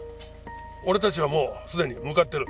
俺たちはもうすでに向かっている。